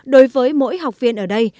đối với mỗi học viên ở đây